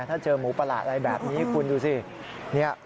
ถ้าเจอหมูประหลาดอะไรแบบนี้คุณดูสิ